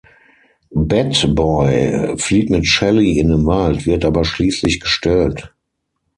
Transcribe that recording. Bat Boy flieht mit Shelley in den Wald, wird aber schließlich gestellt.